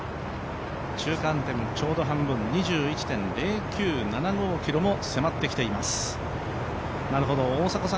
中間点ちょうど半分２１．０９７５ｋｍも迫ってきています。